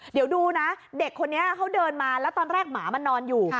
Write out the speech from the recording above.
เดี๋ยวดูนะเด็กคนนี้เขาเดินมาแล้วตอนแรกหมามันนอนอยู่